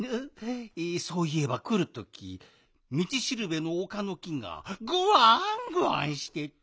そういえばくるときみちしるべのおかの木がぐわんぐわんしてて。